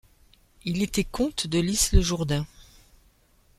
Il était comte de l'Isle-Jourdain.